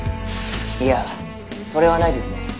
「いやそれはないですね」